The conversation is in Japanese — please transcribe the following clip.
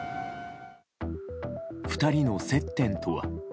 ２人の接点とは。